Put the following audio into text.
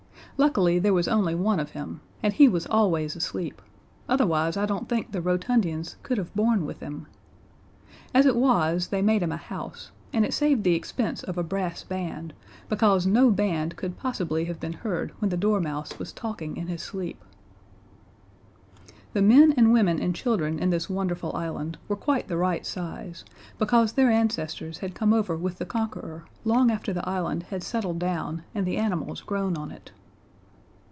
Luckily there was only one of him, and he was always asleep. Otherwise I don't think the Rotundians could have borne with him. As it was, they made him a house, and it saved the expense of a brass band, because no band could possibly have been heard when the dormouse was talking in his sleep. The men and women and children in this wonderful island were quite the right size, because their ancestors had come over with the Conqueror long after the island had settled down and the animals grown on it.